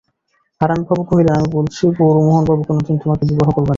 হারানবাবু কহিলেন, আমি বলছি, গৌরমোহনবাবু কোনোদিন তোমাকে বিবাহ করবেন না।